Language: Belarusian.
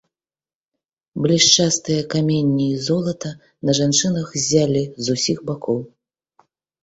Блішчастыя каменні і золата на жанчынах ззялі з ўсіх бакоў.